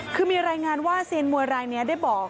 คือมีรายงานว่าเซียนมวยรายนี้ได้บอก